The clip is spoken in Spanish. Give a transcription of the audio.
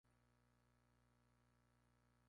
Cuando consigue un hogar encuentra un ratón llamado Pom.